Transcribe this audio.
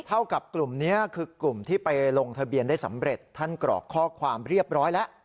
เท่ากับกลุ่มนี้คือกลุ่มที่ไปลงทะเบียนได้สำเร็จท่านกรอกข้อความเรียบร้อยแล้ว